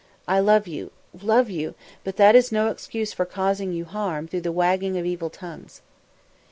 I love you love you but that is no excuse for causing you harm through the wagging of evil tongues."